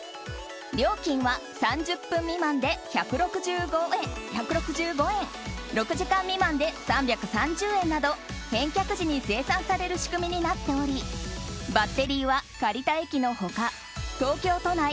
料金は３０分未満で１６５円６時間未満で３３０円など返却時に精算される仕組みになっておりバッテリーは借りた駅の他東京都内